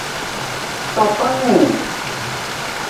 تتاݸنݣ